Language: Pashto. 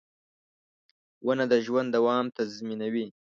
• ونه د ژوند دوام تضمینوي.